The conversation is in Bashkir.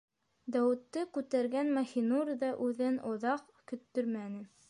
Дауытты күтәргән Маһинур ҙа үҙен оҙаҡ көттөрмәне.